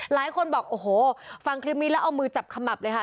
หลายคนบอกโอ้โหฟังคลิปนี้แล้วเอามือจับขมับเลยค่ะ